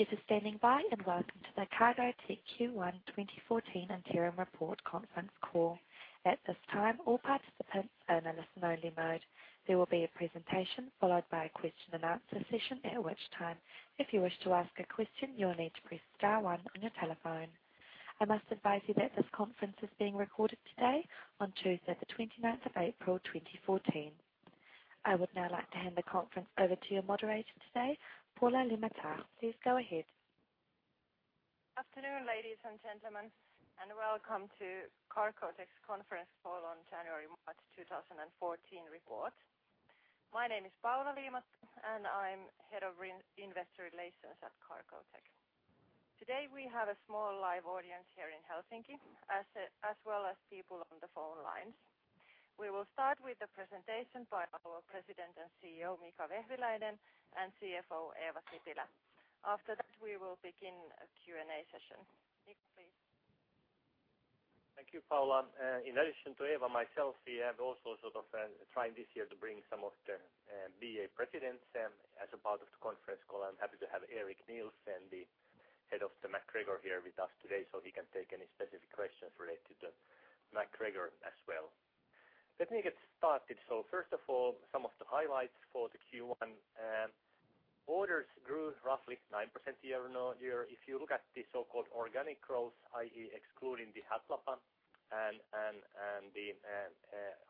Thank you for standing by. Welcome to the Cargotec Q1 2014 interim report conference call. At this time, all participants are in a listen only mode. There will be a presentation followed by a question-and-answer session at which time, if you wish to ask a question, you will need to press star one on your telephone. I must advise you that this conference is being recorded today on Tuesday the 29th of April 2014. I would now like to hand the conference over to your moderator today, Paula Liimatta. Please go ahead. Afternoon, ladies and gentlemen, welcome to Cargotec's conference call on January-March 2014 report. My name is Paula Liimatta, and I'm Head of Investor Relations at Cargotec. Today, we have a small live audience here in Helsinki, as well as people on the phone lines. We will start with the presentation by our President and CEO, Mika Vehviläinen, and CFO, Eeva Sipilä. After that, we will begin a Q&A session. Mika, please. Thank you, Paula. In addition to Eeva and myself, we have also sort of, trying this year to bring some of the BA Presidents as a part of the conference call. I'm happy to have Eric Nielsen, and the head of the MacGregor here with us today, so he can take any specific questions related to MacGregor as well. Let me get started. First of all, some of the highlights for the Q1. Orders grew roughly 9% year-on-over-year. If you look at the so-called organic growth, i.e. excluding the Hatlapa and the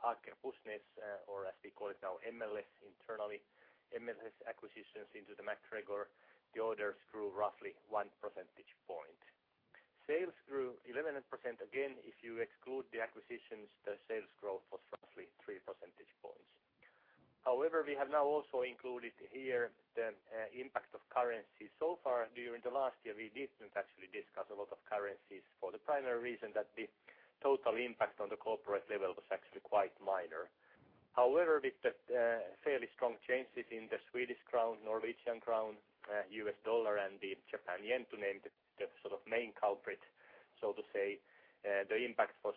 Aker Pusnes, or as we call it now, MLS internally, MLS acquisitions into the MacGregor, the orders grew roughly 1 percentage point. Sales grew 11%. Again, if you exclude the acquisitions, the sales growth was roughly 3 percentage points. We have now also included here the impact of currency. So far during the last year, we didn't actually discuss a lot of currencies for the primary reason that the total impact on the corporate level was actually quite minor. With the fairly strong changes in the Swedish crown, Norwegian crown, US dollar, and the Japan yen to name the sort of main culprit, so to say, the impact was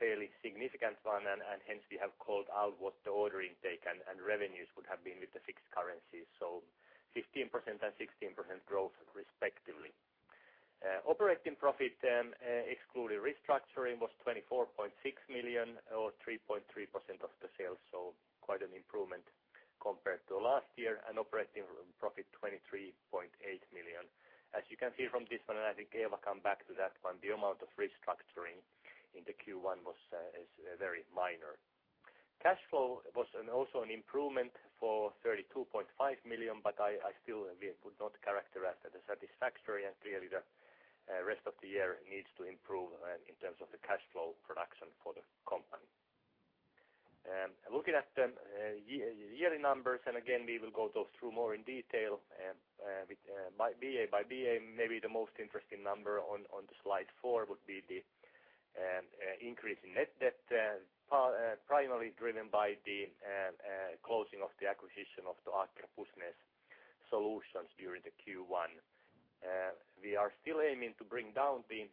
fairly significant one and hence we have called out what the order intake and revenues would have been with the fixed currency. 15% and 16% growth respectively. Operating profit, excluding restructuring, was 24.6 million or 3.3% of the sales. Quite an improvement compared to last year an operating profit 23.8 million. As you can see from this one, and I think Eeva come back to that one, the amount of restructuring in the Q1 was, is very minor. Cash flow was also an improvement for 32.5 million, but I still would not characterize that as satisfactory, and clearly the rest of the year needs to improve in terms of the cash flow production for the company. Looking at the yearly numbers, and again, we will go those through more in detail with by BA. By BA, maybe the most interesting number on the slide four would be the increase in net debt, primarily driven by the closing of the acquisition of the Aker Pusnes solutions during the Q1. We are still aiming to bring down the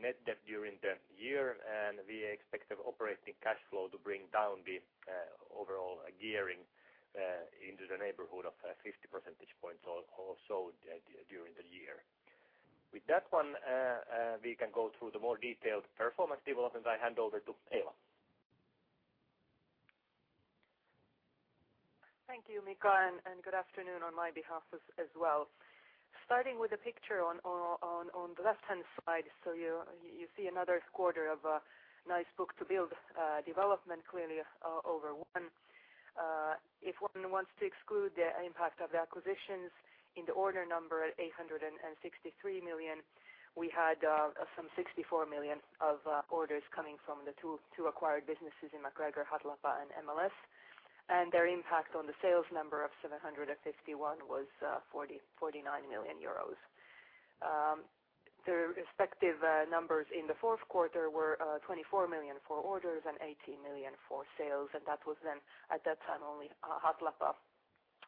net debt during the year, and we expect of operating cash flow to bring down the overall gearing into the neighborhood of 50 percentage points also during the year. With that one, we can go through the more detailed performance development. I hand over to Eeva. Thank you, Mika, and good afternoon on my behalf as well. Starting with the picture on the left-hand side, so you see another quarter of a nice book-to-bill development clearly over one. If one wants to exclude the impact of the acquisitions in the order number 863 million, we had some 64 million of orders coming from the two acquired businesses in MacGregor, Hatlapa, and MLS. Their impact on the sales number of 751 million euros was 49 million euros. The respective numbers in the fourth quarter were 24 million for orders and 18 million for sales, and that was then at that time only Hatlapa.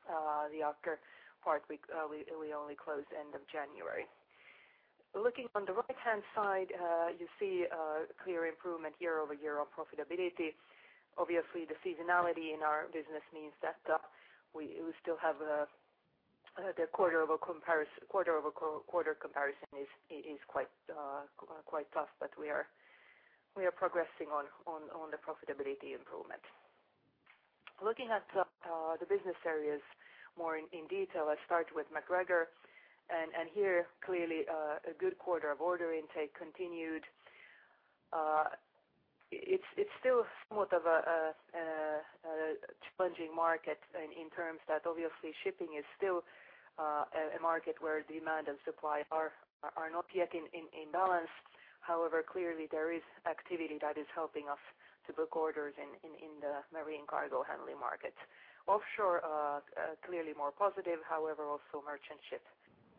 The Aker part we only closed end of January. Looking on the right-hand side, you see a clear improvement year-over-year on profitability. Obviously, the seasonality in our business means that we still have the quarter-over-quarter comparison is quite tough, but we are progressing on the profitability improvement. Looking at the business areas more in detail, I start with MacGregor. Here, clearly, a good quarter of order intake continued. It's still somewhat of a challenging market in terms that obviously shipping is still a market where demand and supply are not yet in balance. However, clearly there is activity that is helping us to book orders in the marine cargo handling market. Offshore, clearly more positive. However, also merchant ship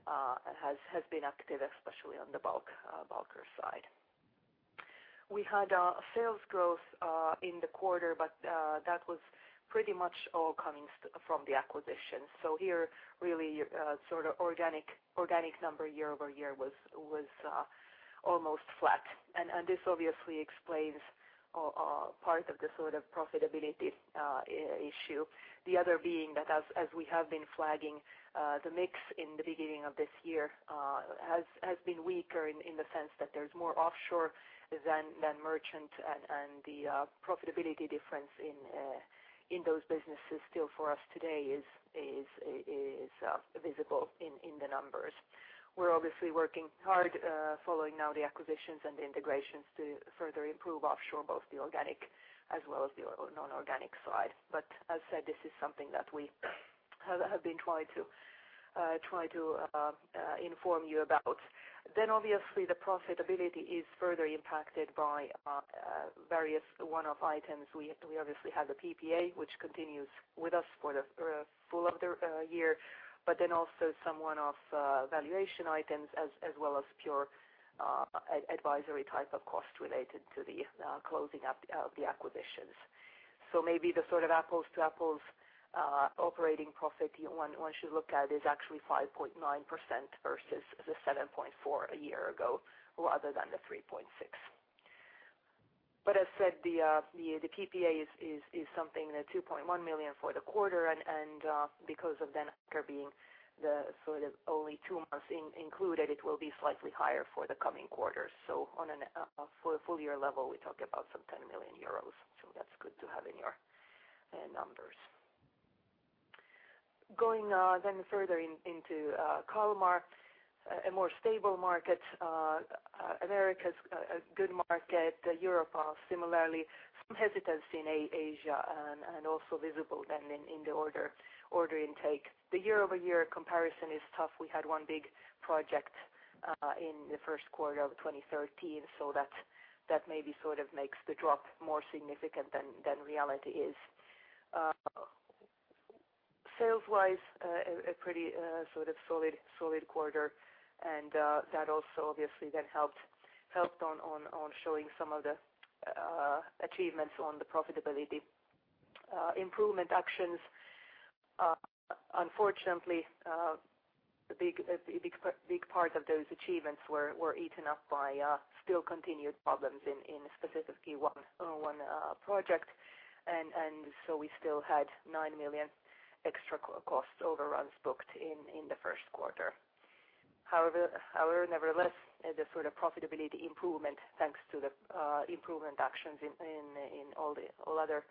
has been active, especially on the bulk bulker side. We had sales growth in the quarter, but that was pretty much all coming from the acquisition. Here, really, sort of organic number year-over-year was almost flat. This obviously explains or part of the sort of profitability issue. The other being that as we have been flagging, the mix in the beginning of this year has been weaker in the sense that there's more offshore than merchant, and the profitability difference in those businesses still for us today is visible in the numbers. We're obviously working hard, following now the acquisitions and the integrations to further improve offshore, both the organic as well as the non-organic side. As said, this is something that we have been trying to inform you about. Obviously the profitability is further impacted by various one-off items. We obviously have the PPA, which continues with us for the full of the year, but then also some one-off valuation items as well as pure advisory type of cost related to the closing up the acquisitions. Maybe the sort of apples to apples operating profit one should look at is actually 5.9% versus the 7.4% a year ago, rather than the 3.6%. As said, the PPA is something that 2.1 million for the quarter and because after being the sort of only two months included, it will be slightly higher for the coming quarters. On a full year level, we talk about some 10 million euros, that's good to have in your numbers. Going further into Kalmar, a more stable market, America's a good market, Europe similarly. Some hesitancy in Asia and also visible then in the order intake. The year-over-year comparison is tough. We had one big project in the first quarter of 2013, that maybe sort of makes the drop more significant than reality is. Sales-wise, a pretty sort of solid quarter, and that also obviously then helped on showing some of the achievements on the profitability improvement actions. Unfortunately, a big part of those achievements were eaten up by still continued problems in specifically one project. We still had 9 million extra costs overruns booked in the first quarter. Nevertheless, the sort of profitability improvement, thanks to the improvement actions in all the other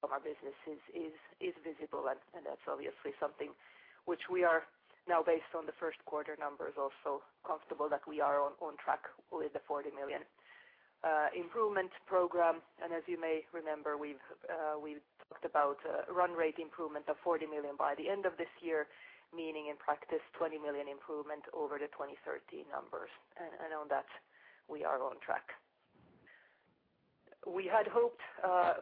Kalmar businesses is visible, and that's obviously something which we are now based on the first quarter numbers also comfortable that we are on track with the 40 million improvement program. As you may remember, we've we talked about a run rate improvement of 40 million by the end of this year, meaning in practice 20 million improvement over the 2013 numbers. On that, we are on track. We had hoped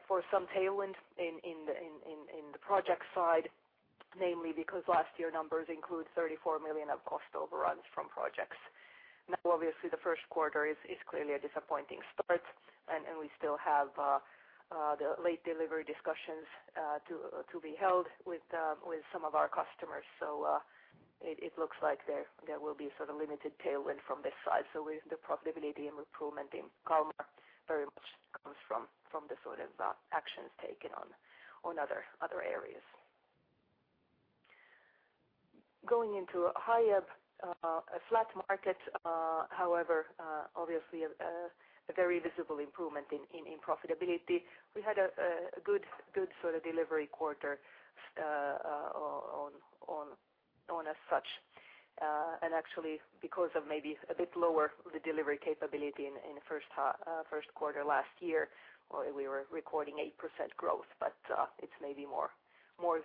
for some tailwind in the project side, namely because last year numbers include 34 million of cost overruns from projects. Obviously the first quarter is clearly a disappointing start, we still have the late delivery discussions to be held with some of our customers. It looks like there will be sort of limited tailwind from this side. The profitability improvement in Kalmar very much comes from the sort of actions taken on other areas. Going into Hiab, a flat market, however, obviously a very visible improvement in profitability. We had a good sort of delivery quarter as such. Actually because of maybe a bit lower the delivery capability in first quarter last year, we were recording 8% growth, but it's maybe more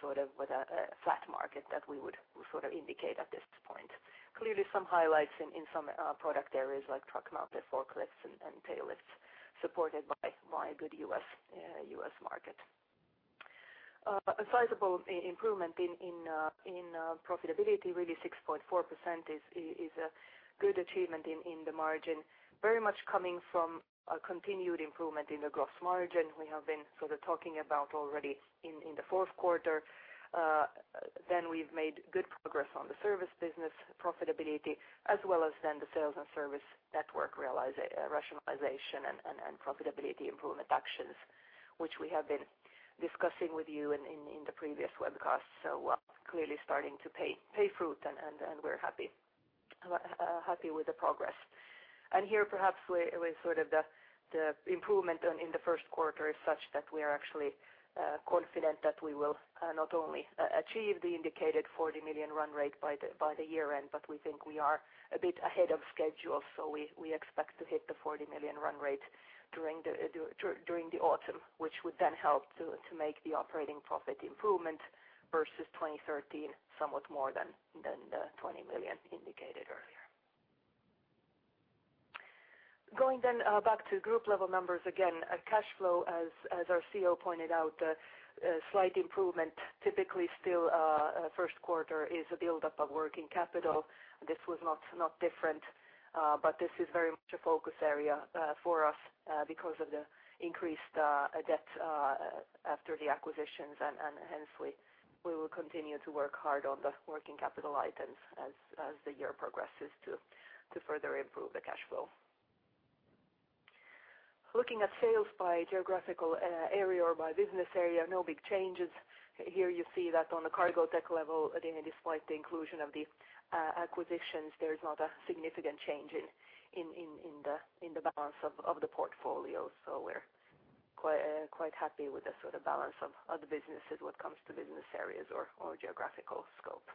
sort of with a flat market that we would sort of indicate at this point. Clearly some highlights in some product areas like truck mounted forklifts and tail lifts supported by good U.S. market. A sizable improvement in profitability, really 6.4% is a good achievement in the margin, very much coming from a continued improvement in the gross margin we have been sort of talking about already in the fourth quarter. We've made good progress on the service business profitability as well as the sales and service network rationalization and profitability improvement actions, which we have been discussing with you in the previous webcast. Clearly starting to pay fruit and we're happy with the progress. Here perhaps where sort of the improvement in the first quarter is such that we are actually confident that we will not only achieve the indicated 40 million run rate by the year end, but we think we are a bit ahead of schedule, so we expect to hit the 40 million run rate during the autumn, which would then help to make the operating profit improvement versus 2013 somewhat more than the 20 million indicated earlier. Going back to group level numbers, again, cash flow, as our CEO pointed out, a slight improvement. Typically still, first quarter is a buildup of working capital. This was not different, but this is very much a focus area for us because of the increased debt after the acquisitions. Hence we will continue to work hard on the working capital items as the year progresses to further improve the cash flow. Looking at sales by geographical area or by business area, no big changes. Here you see that on the Cargotec level, again, despite the inclusion of the acquisitions, there is not a significant change in the balance of the portfolio. We're quite happy with the sort of balance of the businesses when it comes to business areas or geographical scope.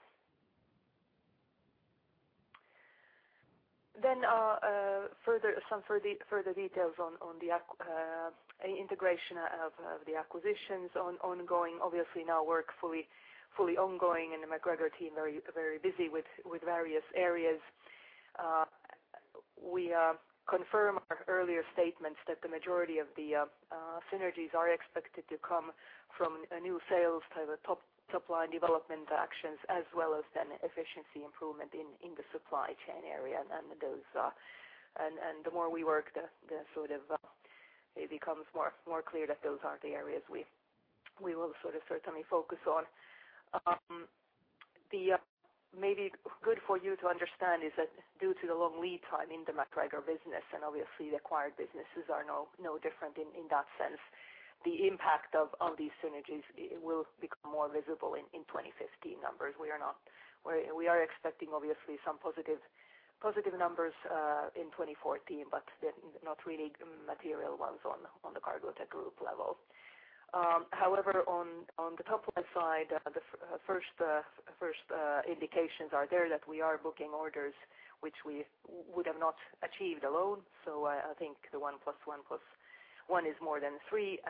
Some further details on the integration of the acquisitions ongoing. Obviously now work fully ongoing, and the MacGregor team very busy with various areas. We confirm our earlier statements that the majority of the synergies are expected to come from a new sales to the top-supply and development actions as well as then efficiency improvement in the supply chain area. Those, and the more we work, the sort of, it becomes more clear that those are the areas we will sort of certainly focus on. The maybe good for you to understand is that due to the long lead time in the MacGregor business, and obviously the acquired businesses are no different in that sense, the impact of these synergies will become more visible in 2015 numbers. We are expecting obviously some positive numbers in 2014, they're not really material ones on the Cargotec Group level. However, on the top-line side, the first indications are there that we are booking orders which we would have not achieved alone. I think the 1 + 1 + 1 is more than 3.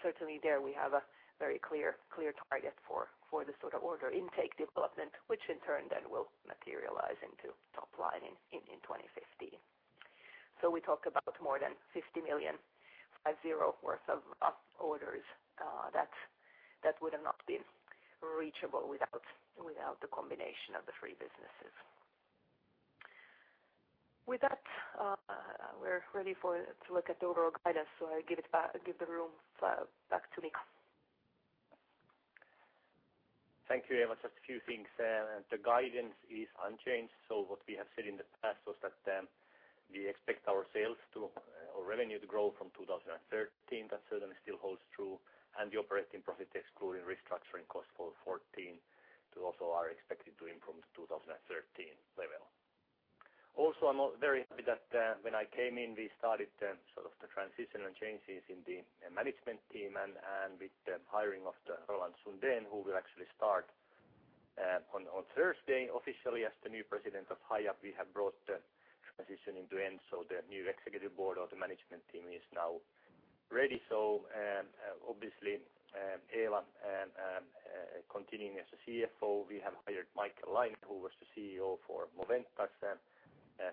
Certainly there we have a very clear target for the sort of order intake development, which in turn will materialize into top line in 2015. We talk about more than 50 million worth of orders that would have not been reachable without the combination of the 3 businesses. With that, we're ready to look at the overall guidance. I give the room back to Mika. Thank you, Eeva. Just a few things. The guidance is unchanged. What we have said in the past was that we expect our sales to or revenue to grow from 2013. That certainly still holds true. The operating profit excluding restructuring costs for 2014 to also are expected to improve 2013 level. Also, I'm very happy that when I came in, we started the sort of the transition and changes in the management team and with the hiring of the Roland Sundén, who will actually start on Thursday officially as the new president of Hiab. We have brought the transitioning to end. The new executive board or the management team is now ready. Obviously, Eeva, continuing as a CFO, we have hired Mike Laine, who was the CEO for Moventas,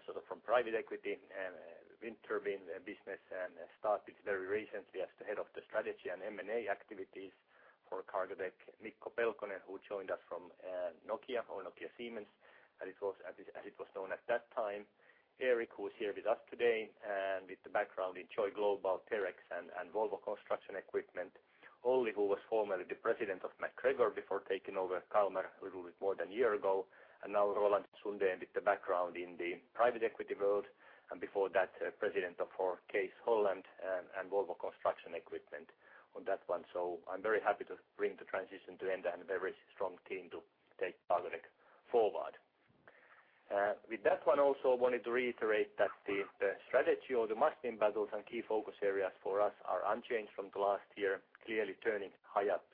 sort of from private equity and wind turbine, and started very recently as the head of the strategy and M&A activities for Cargotec. Mikko Pelkonen, who joined us from Nokia or Nokia Siemens, as it was known at that time. Eric, who is here with us today, with the background in Joy Global, Terex and Volvo Construction Equipment. Olli, who was formerly the president of MacGregor before taking over Kalmar a little bit more than a year ago. Now Roland Sundén with the background in the private equity world, and before that, president of for Case Holland and Volvo Construction Equipment on that one. I'm very happy to bring the transition to end and a very strong team to take Cargotec forward. With that one also wanted to reiterate that the strategy or the marketing battles and key focus areas for us are unchanged from the last year, clearly turning Hiab's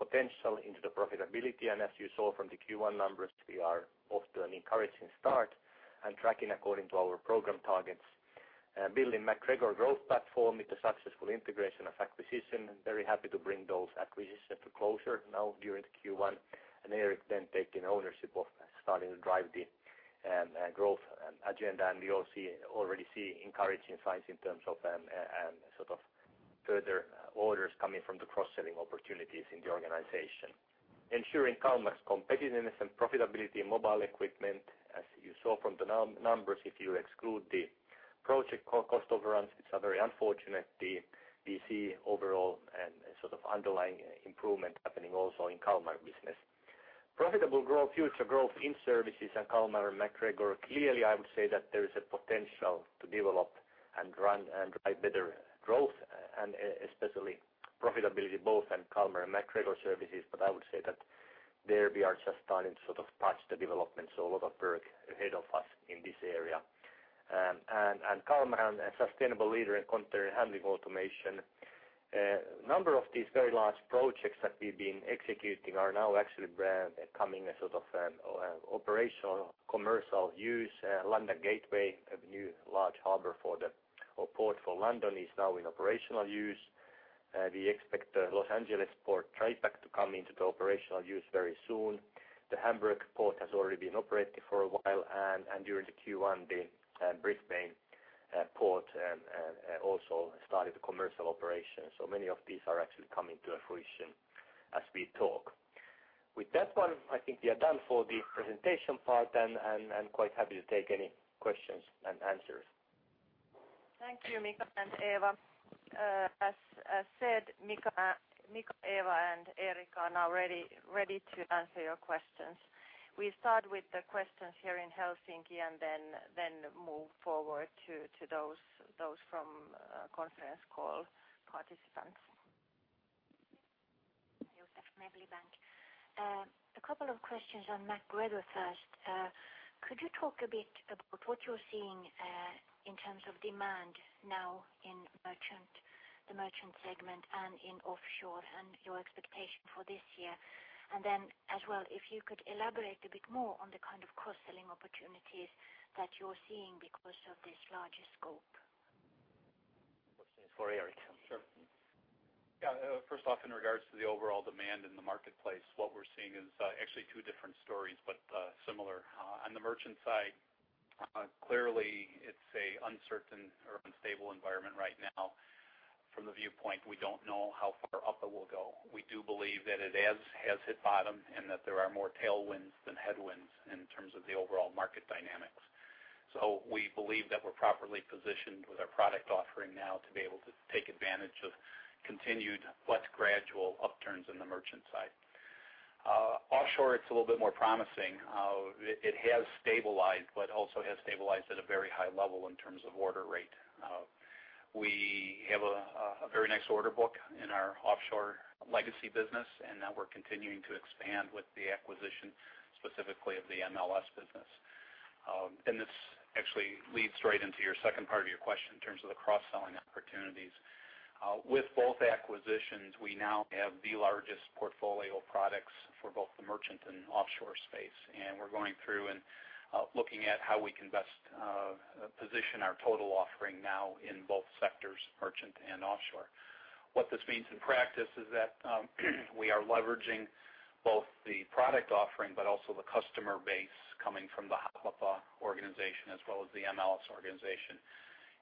potential into the profitability. As you saw from the Q1 numbers, we are off to an encouraging start and tracking according to our program targets. Building MacGregor growth platform with the successful integration of acquisition. Very happy to bring those acquisition to closure now during the Q1. Eric then taking ownership of starting to drive the growth agenda. We already see encouraging signs in terms of sort of further orders coming from the cross-selling opportunities in the organization. Ensuring Kalmar's competitiveness and profitability in mobile equipment. As you saw from the numbers, if you exclude the project cost overruns, which are very unfortunate, we see overall and sort of underlying improvement happening also in Kalmar business. Profitable growth, future growth in services at Kalmar and MacGregor. Clearly, I would say that there is a potential to develop and run and drive better growth, and especially profitability both in Kalmar and MacGregor services. I would say that there we are just starting to sort of patch the development, so a lot of work ahead of us in this area. Kalmar, a sustainable leader in container handling automation. Number of these very large projects that we've been executing are now actually coming a sort of operational commercial use. London Gateway, a new large harbor for the or port for London is now in operational use. We expect Los Angeles Port TraPac to come into the operational use very soon. The Hamburg Port has already been operating for a while. During the Q1, the Brisbane port also started the commercial operation. Many of these are actually coming to a fruition as we talk. With that one, I think we are done for the presentation part and quite happy to take any questions-and-answers. Thank you, Mika and Eeva. As said, Mika, Eeva and Eric are now ready to answer your questions. We start with the questions here in Helsinki and then move forward to those from conference call participants. Elina Niiranen from Evli Bank. A couple of questions on MacGregor first. Could you talk a bit about what you're seeing in terms of demand now in merchant, the merchant segment and in offshore, and your expectation for this year? Then as well, if you could elaborate a bit more on the kind of cross-selling opportunities that you're seeing because of this larger scope. This is for Eric. Sure. Yeah, first off, in regards to the overall demand in the marketplace, what we're seeing is, actually two different stories, but, similar. On the merchant side, clearly it's a uncertain or unstable environment right now from the viewpoint we don't know how far up it will go. We do believe that it has hit bottom, and that there are more tailwinds than headwinds in terms of the overall market dynamics. We believe that we're properly positioned with our product offering now to be able to take advantage of continued, but gradual upturns in the merchant side. Offshore it's a little bit more promising. It has stabilized, but also has stabilized at a very high level in terms of order rate. We have a very nice order book in our offshore legacy business. Now we're continuing to expand with the acquisition specifically of the MLS business. This actually leads right into your second part of your question in terms of the cross-selling opportunities. With both acquisitions, we now have the largest portfolio of products for both the merchant and offshore space. We're going through and looking at how we can best position our total offering now in both sectors, merchant and offshore. What this means in practice is that we are leveraging both the product offering but also the customer base coming from the Hatlapa organization as well as the MLS organization.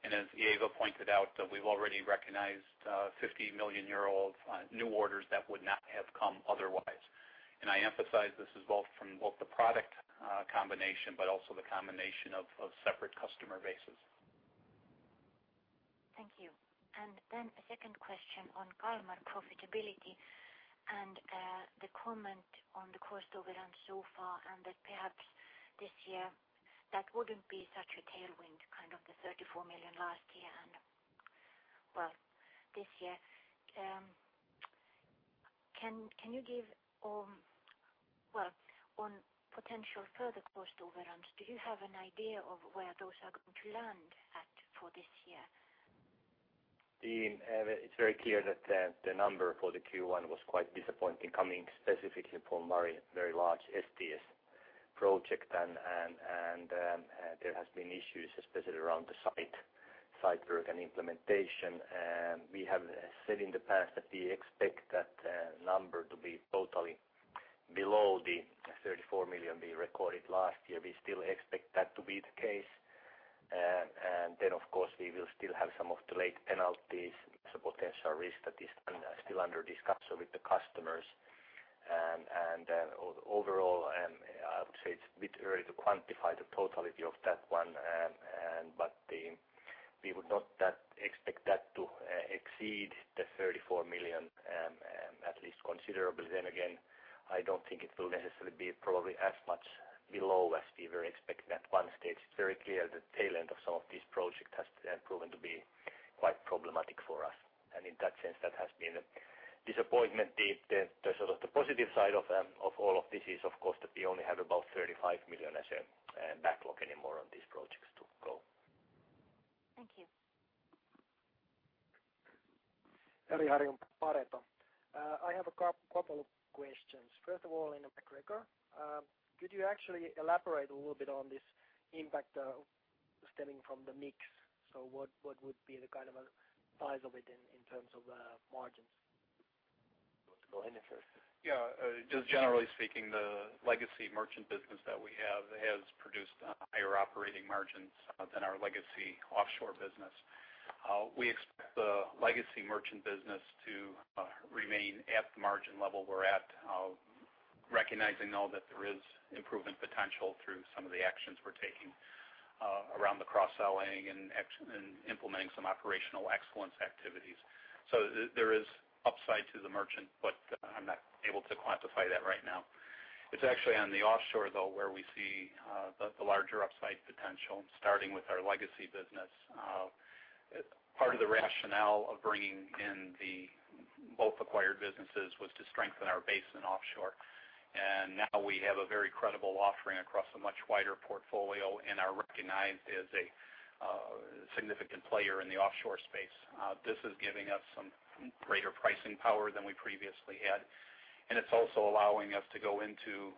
As Eeva pointed out, we've already recognized 50 million of new orders that would not have come otherwise. I emphasize this is both from the product, combination, but also the combination of separate customer bases. Thank you. A second question on Kalmar profitability and the comment on the cost overrun so far, and that perhaps this year that wouldn't be such a tailwind, kind of the 34 million last year and this year. Can you give on potential further cost overruns, do you have an idea of where those are going to land at for this year? The, it's very clear that the number for the Q1 was quite disappointing coming specifically from our very large STS project. There has been issues especially around the site work and implementation. We have said in the past that we expect that number to be totally below the 34 million we recorded last year. We still expect that to be the case. Of course, we will still have some of the late penalties as a potential risk that is still under discussion with the customers. Overall, I would say it's a bit early to quantify the totality of that one. We would not expect that to exceed the 34 million at least considerably. Again, I don't think it will necessarily be probably as much below as we were expecting at one stage. It's very clear the tail end of some of these projects has proven to be quite problematic for us. In that sense, that has been a disappointment. The sort of the positive side of all of this is, of course, that we only have about 35 million as a backlog anymore on these projects to go. Thank you. Pareto. I have a couple of questions. First of all, in MacGregor, could you actually elaborate a little bit on this impact stemming from the mix? What would be the kind of size of it in terms of margins? You want to go ahead first? Yeah. Just generally speaking, the legacy merchant business that we have has produced higher operating margins than our legacy offshore business. We expect the legacy merchant business to remain at the margin level we're at, recognizing though that there is improvement potential through some of the actions we're taking around the cross-selling and implementing some operational excellence activities. There is upside to the merchant, but I'm not able to quantify that right now. It's actually on the offshore though, where we see the larger upside potential starting with our legacy business. Part of the rationale of bringing in the both acquired businesses was to strengthen our base in offshore. Now we have a very credible offering across a much wider portfolio and are recognized as a significant player in the offshore space. This is giving us some greater pricing power than we previously had, and it's also allowing us to go into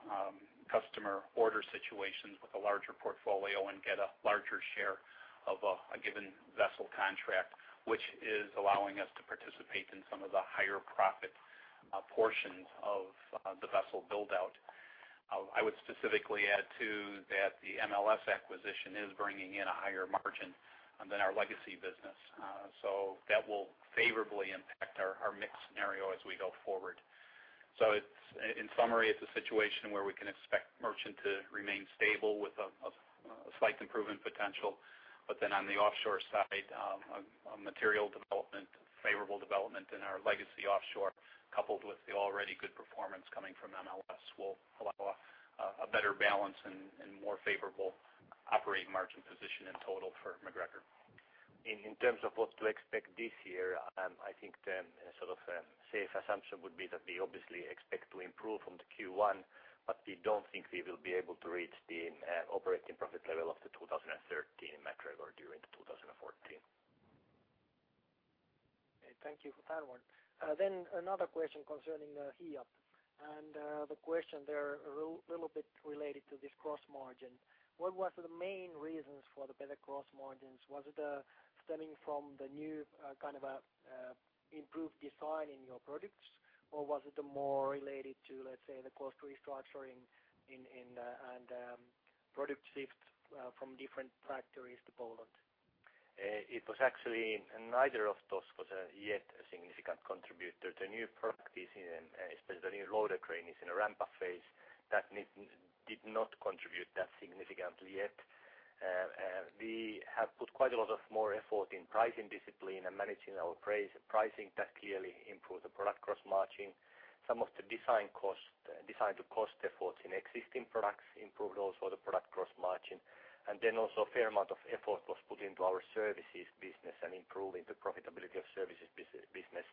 customer order situations with a larger portfolio and get a larger share of a given vessel contract, which is allowing us to participate in some of the higher profit portions of the vessel build-out. I would specifically add too that the MLS acquisition is bringing in a higher margin than our legacy business. That will favorably impact our mix scenario as we go forward. In summary, it's a situation where we can expect merchant to remain stable with a slight improvement potential. On the offshore side, a material development, favorable development in our legacy offshore, coupled with the already good performance coming from MLS will allow a better balance and more favorable operating margin position in total for MacGregor. In terms of what to expect this year, I think the sort of safe assumption would be that we obviously expect to improve from the Q1, but we don't think we will be able to reach the operating profit level of the 2013 MacGregor during 2014. Okay, thank you for that one. Another question concerning Hiab. The question there a little bit related to this gross margin. What was the main reasons for the better gross margins? Was it stemming from the new kind of a improved design in your products? Was it more related to, let's say, the cost restructuring in and product shift from different factories to Poland? It was actually neither of those was yet a significant contributor. The new product, especially the new loader crane, is in a ramp-up phase that did not contribute that significantly yet. We have put quite a lot of more effort in pricing discipline and managing our pricing. That clearly improved the product gross margin. Some of the Design to Cost efforts in existing products improved also the product gross margin. Also a fair amount of effort was put into our services business and improving the profitability of services business.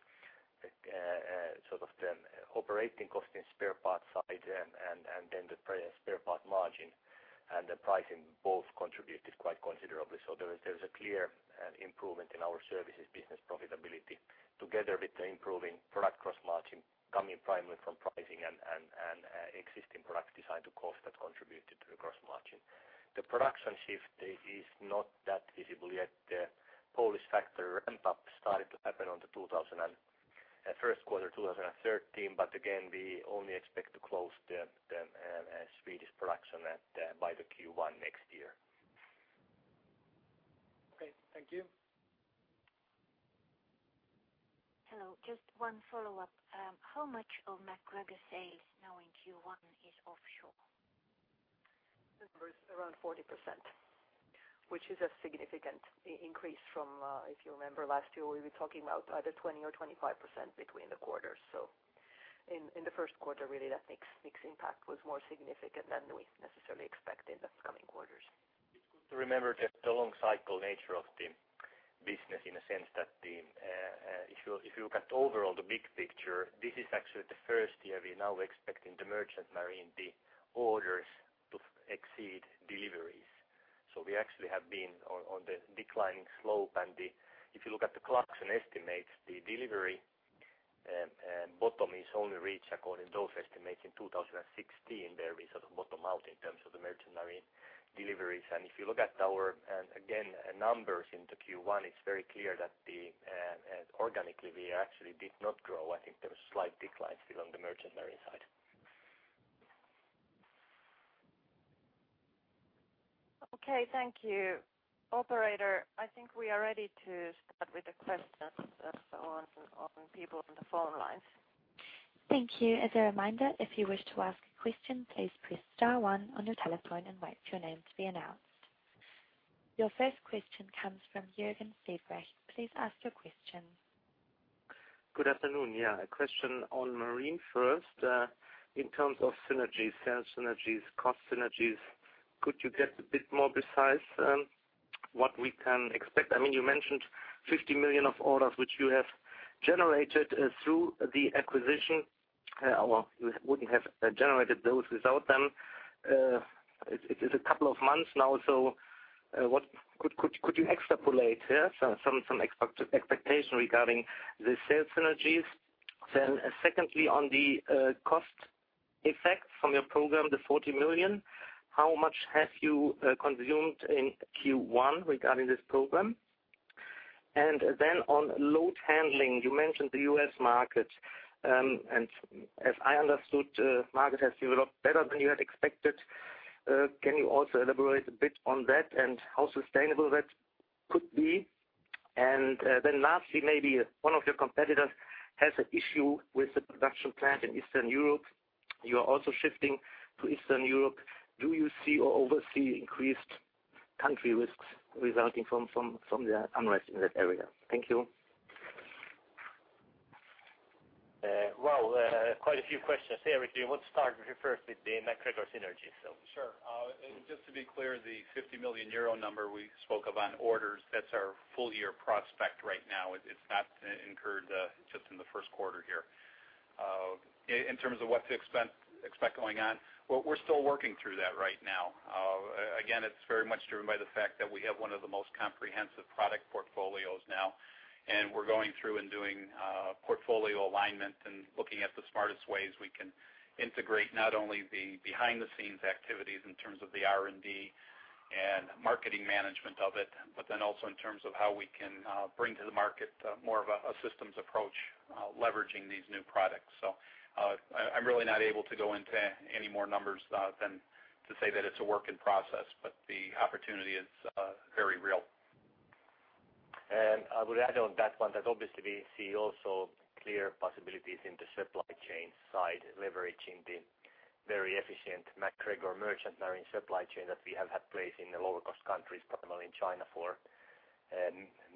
Sort of the operating cost in spare parts side, and then the spare parts margin and the pricing both contributed quite considerably. There's a clear improvement in our services business profitability together with the improving product gross margin coming primarily from pricing and existing product Design to Cost that contributed to the gross margin. The production shift is not that visible yet. The Polish factory ramp-up started to happen on the first quarter 2013. Again, we only expect to close the Swedish production by the Q1 next year. Okay, thank you. Hello. Just one follow-up. How much of MacGregor sales now in Q1 is offshore? The number is around 40%, which is a significant increase from, if you remember last year, we were talking about either 20% or 25% between the quarters. In the first quarter, really, that mix impact was more significant than we necessarily expect in the coming quarters. It's good to remember the long cycle nature of the business in a sense that if you look at overall the big picture, this is actually the first year we are now expecting the merchant marine, the orders to exceed deliveries. We actually have been on the declining slope. If you look at the Clarksons estimates, the delivery bottom is only reached according to those estimates in 2016, there we sort of bottom out in terms of the merchant marine deliveries. If you look at our again, numbers into Q1, it's very clear that organically, we actually did not grow. I think there was a slight decline still on the merchant marine side. Okay, thank you. Operator, I think we are ready to start with the questions, on people on the phone lines. Thank you. As a reminder, if you wish to ask a question, please press star one on your telephone and wait for your name to be announced. Your first question comes from Juergen Siebrecht. Please ask your question. Good afternoon. A question on MacGregor first. In terms of synergies, sales synergies, cost synergies, could you get a bit more precise what we can expect? I mean, you mentioned 50 million of orders which you have generated through the acquisition. Well, you wouldn't have generated those without them. It's a couple of months now, what could you extrapolate, some expectation regarding the sales synergies? Secondly, on the cost effect from your program, the 40 million, how much have you consumed in Q1 regarding this program? On load handling, you mentioned the U.S. market. As I understood, market has developed better than you had expected. Can you also elaborate a bit on that and how sustainable that could be? Lastly, maybe one of your competitors has an issue with the production plant in Eastern Europe. You are also shifting to Eastern Europe. Do you see or oversee increased country risks resulting from the unrest in that area? Thank you. Well, quite a few questions there. Let's start first with the MacGregor synergies. Sure. Just to be clear, the 50 million euro number we spoke of on orders, that's our full year prospect right now. It's not incurred just in the first quarter here. In terms of what to expect going on, well, we're still working through that right now. Again, it's very much driven by the fact that we have one of the most comprehensive product portfolios now, and we're going through and doing portfolio alignment and looking at the smartest ways we can integrate not only the behind-the-scenes activities in terms of the R&D and marketing management of it, also in terms of how we can bring to the market more of a systems approach, leveraging these new products. I'm really not able to go into any more numbers than to say that it's a work in process, but the opportunity is very real. I would add on that one that obviously we see also clear possibilities in the supply chain side, leveraging the very efficient MacGregor merchant marine supply chain that we have had placed in the lower cost countries, primarily in China, for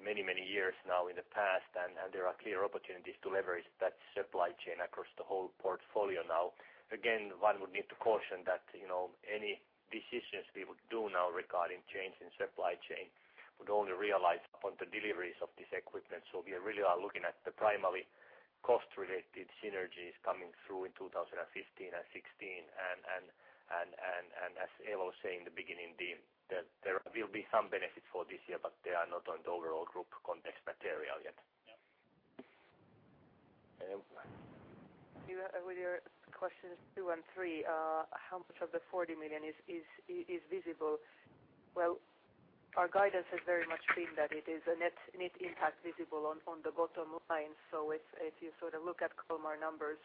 many, many years now in the past. There are clear opportunities to leverage that supply chain across the whole portfolio now. Again, one would need to caution that, you know, any decisions we would do now regarding change in supply chain would only realize upon the deliveries of this equipment. We really are looking at the primarily cost-related synergies coming through in 2015 and 2016. As Elo was saying the beginning, that there will be some benefit for this year, but they are not on the overall group context material yet. Eeva? With your questions two and three, how much of the 40 million is visible? Well, our guidance has very much been that it is a net impact visible on the bottom line. If you sort of look at Kalmar numbers,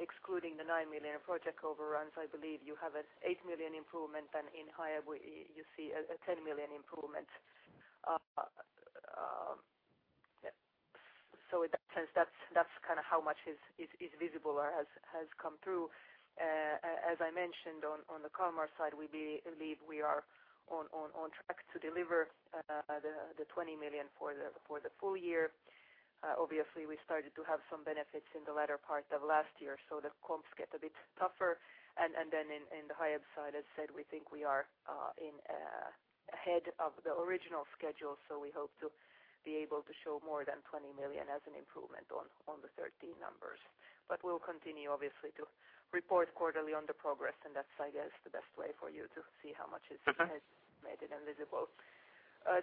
excluding the 9 million project overruns, I believe you have an 8 million improvement, and in Hiab, you see an 10 million improvement. So in that sense, that's kind of how much is visible or has come through. As I mentioned on the Kalmar side, we believe we are on track to deliver the 20 million for the full year. Obviously we started to have some benefits in the latter part of last year, so the comps get a bit tougher. In the Hiab side, as said, we think we are ahead of the original schedule, so we hope to be able to show more than 20 million as an improvement on the 2013 numbers. We'll continue obviously to report quarterly on the progress, and that's, I guess, the best way for you to see how much has made it and visible.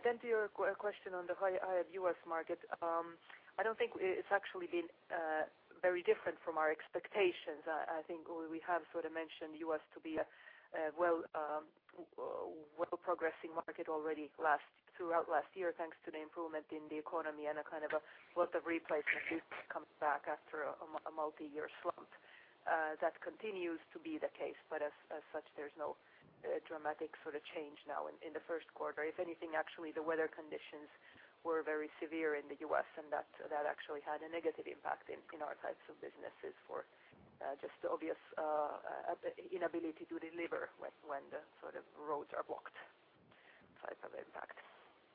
Then to your question on the Hiab U.S. market. I don't think it's actually been very different from our expectations. I think we have sort of mentioned U.S. to be a well, well progressing market already throughout last year, thanks to the improvement in the economy and a kind of a lot of replacement comes back after a multi-year slump. That continues to be the case, but as such, there's no dramatic sort of change now in the first quarter. If anything, actually, the weather conditions were very severe in the U.S. and that actually had a negative impact in our types of businesses for just the obvious inability to deliver when the sort of roads are blocked type of impact.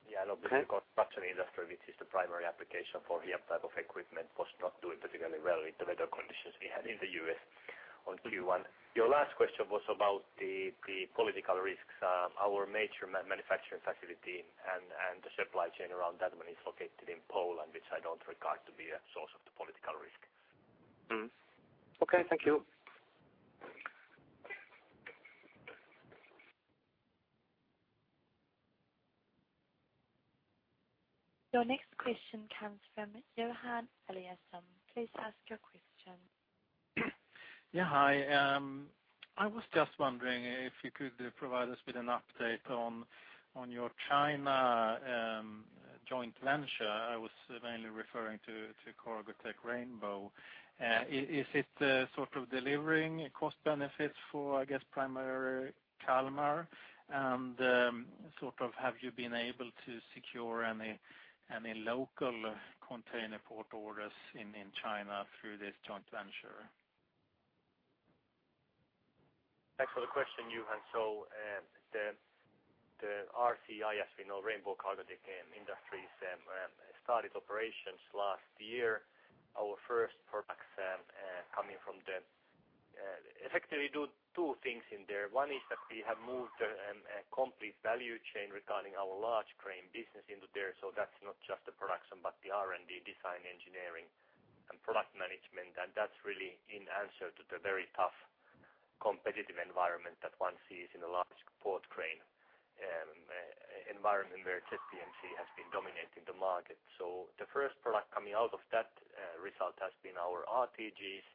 No, because construction industry, which is the primary application for Hiab type of equipment, was not doing particularly well with the weather conditions we had in the U.S. on Q1. Your last question was about the political risks. Our major manufacturing facility and the supply chain around that one is located in Poland, which I don't regard to be a source of the political risk. Okay. Thank you. Your next question comes from Johan Eliasson. Please ask your question. Hi. I was just wondering if you could provide us with an update on your China joint venture. I was mainly referring to Rainbow-Cargotec Industries. Is it sort of delivering cost benefits for, I guess, primary Kalmar? Have you been able to secure any local container port orders in China through this joint venture? Thanks for the question, Johan. The RCI, as we know, Rainbow Cargotec Industries, started operations last year. Our first products coming from them effectively do two things in there. One is that we have moved a complete value chain regarding our large crane business into there. That's not just the production, but the R&D design engineering and product management. That's really in answer to the very tough competitive environment that one sees in a large port crane environment where ZPMC has been dominating the market. The first product coming out of that result has been our RTGs.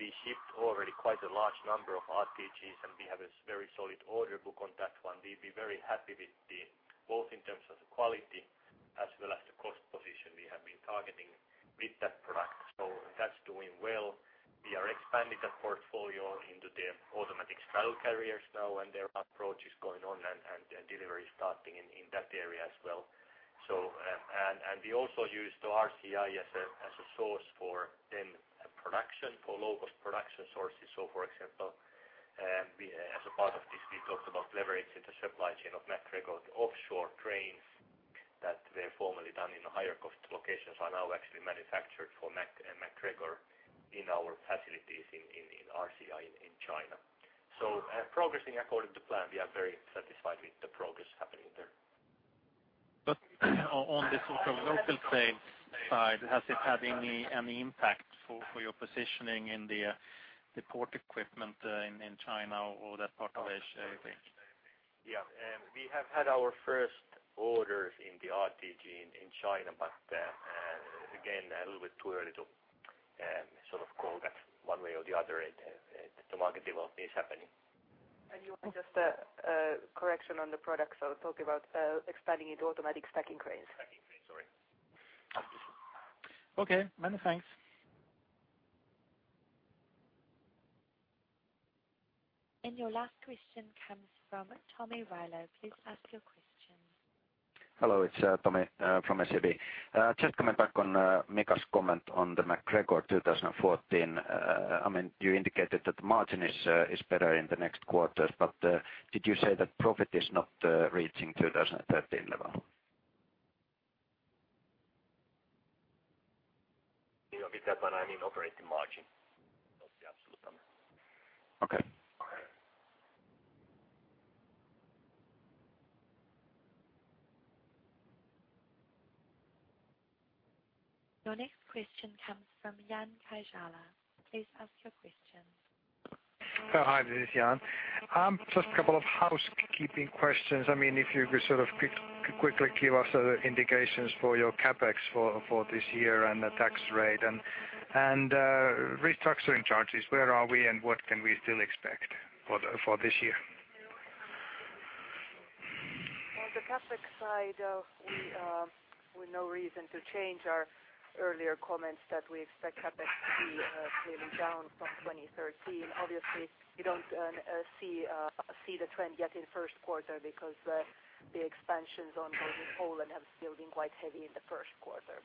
We shipped already quite a large number of RTGs, and we have a very solid order book on that one. We'd be very happy with the, both in terms of the quality as well as the cost position we have been targeting with that product. That's doing well. We are expanding the portfolio into the automatic straddle carriers now, their approach is going on and delivery starting in that area as well. And we also use the RCI as a source for then production for low-cost production sources. For example, we as a part of this, we talked about leveraging the supply chain of MacGregor's offshore cranes that were formerly done in higher cost locations are now actually manufactured for MacGregor in our facilities in RCI in China. Progressing according to plan. We are very satisfied with the progress happening there. On this local sales side, has it had any impact for your positioning in the port equipment in China or that part of Asia? Yeah. We have had our first orders in the RTG in China. Again, a little bit too early to sort of call that one way or the other. The market development is happening. Johan, just a correction on the products. I was talking about expanding into Automatic Stacking Cranes. Stacking cranes, sorry. Okay. Many thanks. Your last question comes from Tommy Wyler. Please ask your question. Hello. It's Tommy from SEB. Just coming back on Mika's comment on the MacGregor 2014. I mean, you indicated that the margin is better in the next quarters, but did you say that profit is not reaching 2013 level? You know, with that one, I mean operating margin. Not the absolute number. Okay. Okay. Your next question comes from Jan Kajala. Please ask your question. Hi, this is Jan. Just a couple of housekeeping questions. I mean, if you could sort of quickly give us indications for your CapEx for this year and the tax rate and restructuring charges, where are we and what can we still expect for this year? On the CapEx side, we've no reason to change our earlier comments that we expect CapEx to be clearly down from 2013. Obviously, you don't see the trend yet in first quarter because the expansions on board in Poland have been building quite heavy in the first quarter.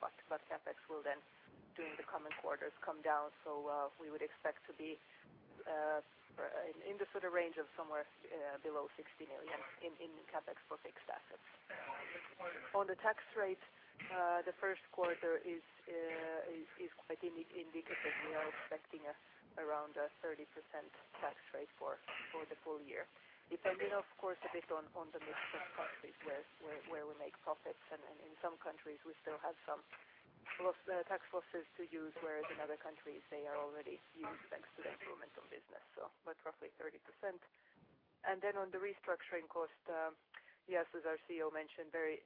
CapEx will then, during the coming quarters, come down. We would expect to be in the sort of range of somewhere below 60 million in CapEx for fixed assets. On the tax rate, the first quarter is quite indicative. We are expecting around a 30% tax rate for the full year. Depending, of course, a bit on the mix of countries where we make profits. In some countries we still have some tax losses to use, whereas in other countries they are already used thanks to the improvement of business. But roughly 30%. On the restructuring cost, yes, as our CEO mentioned, very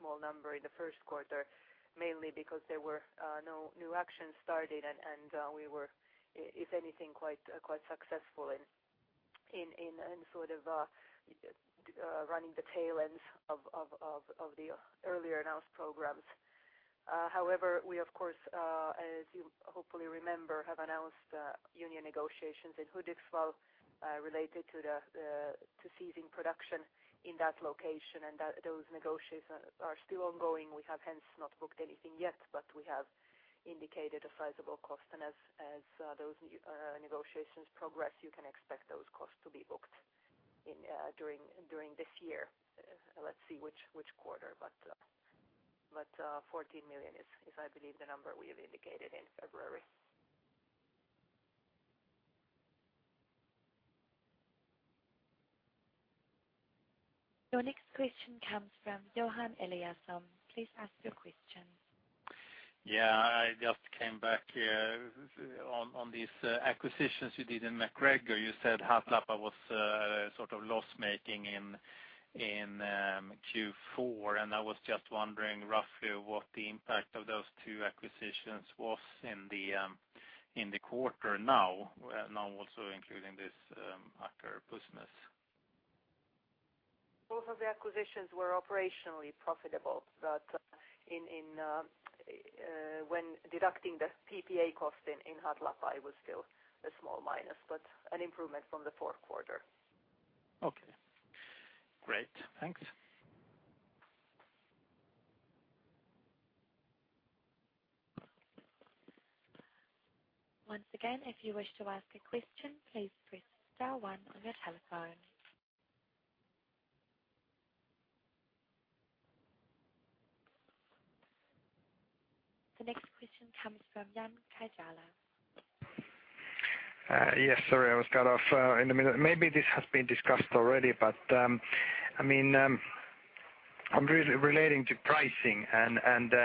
small number in the first quarter, mainly because there were no new actions started and we were if anything, quite successful in sort of running the tail ends of the earlier announced programs. However, we of course, as you hopefully remember, have announced union negotiations in Hudiksvall, related to ceasing production in that location. Those negotiations are still ongoing. We have hence not booked anything yet, but we have indicated a sizable cost. As those negotiations progress, you can expect those costs to be booked in during this year. Let's see which quarter. 14 million is I believe the number we have indicated in February. Your next question comes from Johan Eliasson. Please ask your question. Yeah. I just came back on these acquisitions you did in MacGregor. You said Hatlapa was sort of loss-making in Q4. I was just wondering roughly what the impact of those two acquisitions was in the quarter now also including this Aker business. Both of the acquisitions were operationally profitable, but when deducting the PPA cost in Hatlapa, it was still a small minus, but an improvement from the fourth quarter. Okay. Great. Thanks. Once again, if you wish to ask a question, please press star one on your telephone. The next question comes from Jan Kajala. Yes, sorry, I was cut off in the middle. Maybe this has been discussed already. I mean, relating to pricing and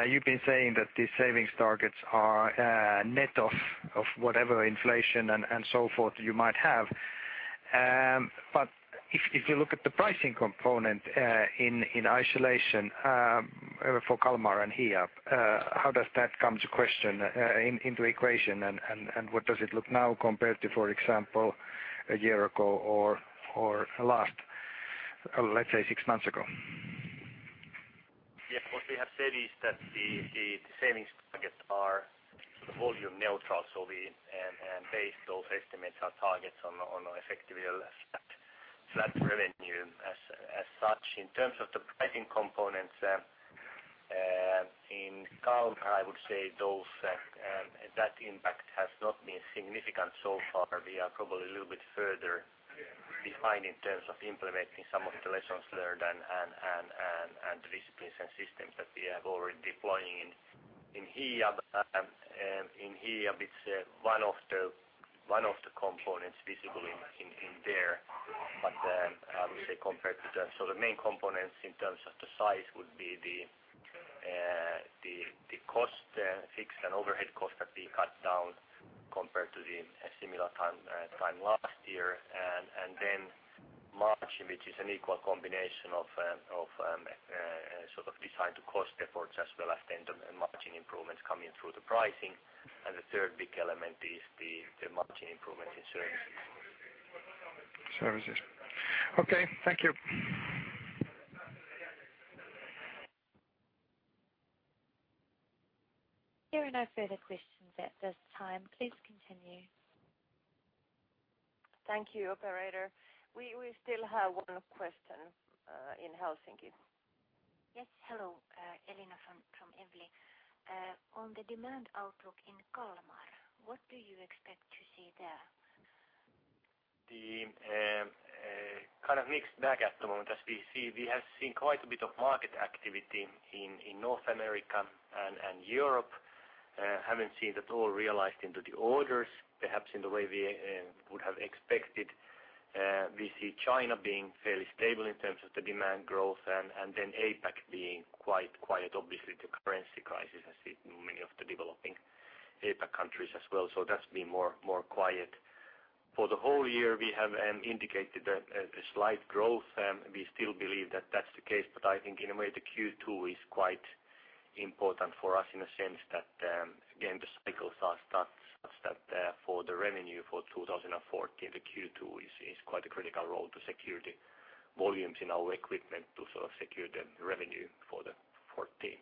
you've been saying that these savings targets are net of whatever inflation and so forth you might have. If you look at the pricing component in isolation for Kalmar and Hiab, how does that come into equation? And what does it look now compared to, for example, a year ago or last, let's say 6 months ago? Yes. What we have said is that the savings targets are sort of volume neutral. We base those estimates, our targets on effectively a flat revenue as such. In terms of the pricing components, in Kalmar, I would say those that impact has not been significant so far. We are probably a little bit further behind in terms of implementing some of the lessons learned and disciplines and systems that we have already deploying in Hiab. In Hiab it's one of the components visible in there. I would say compared to the main components in terms of the size would be the cost, fixed and overhead costs that we cut down compared to the similar time last year. Margin, which is an equal combination of sort of Design to Cost efforts as well as tender and margin improvements coming through the pricing. The third big element is the margin improvement in services. Services. Okay. Thank you. There are no further questions at this time. Please continue. Thank you, operator. We still have one question in Helsinki. Yes. Hello, Elina from Evli. On the demand outlook in Kalmar, what do you expect to see there? The kind of mixed bag at the moment. As we see, we have seen quite a bit of market activity in North America and Europe. Haven't seen that all realized into the orders, perhaps in the way we would have expected. We see China being fairly stable in terms of the demand growth and then APAC being quite quiet. Obviously, the currency crisis has hit many of the developing APAC countries as well. That's been more quiet. For the whole year, we have indicated a slight growth. We still believe that that's the case. I think in a way the Q2 is quite important for us in a sense that, again, the cycle starts that, for the revenue for 2014, the Q2 is quite a critical role to secure the volumes in our equipment to sort of secure the revenue for 2014.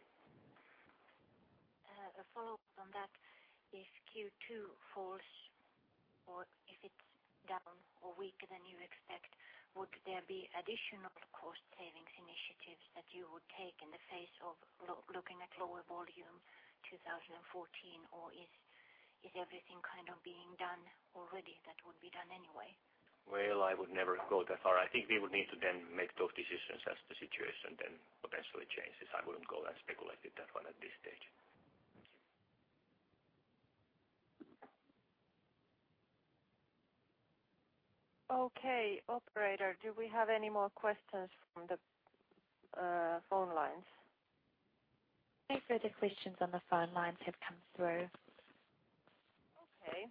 A follow-up on that. If Q2 falls or if it's down or weaker than you expect, would there be additional cost savings initiatives that you would take in the face of looking at lower volume 2014? Is everything kind of being done already that would be done anyway? I would never go that far. I think we would need to then make those decisions as the situation then potentially changes. I wouldn't go and speculate at that one at this stage. Okay. Operator, do we have any more questions from the phone lines? No further questions on the phone lines have come through. Okay.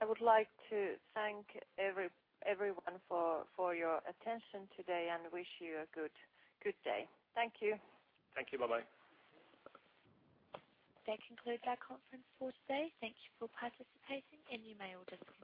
I would like to thank everyone for your attention today and wish you a good day. Thank you. Thank you. Bye-bye. That concludes our conference for today. Thank Thank you for participating. You may all disconnect now.